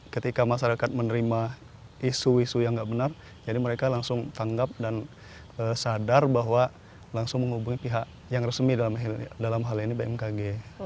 ketika masyarakat menerima isu isu yang tidak benar jadi mereka langsung tanggap dan sadar bahwa langsung menghubungi pihak yang resmi dalam hal ini bmkg